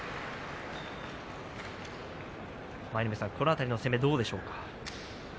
舞の海さん、この辺りの攻めどうでしょうか。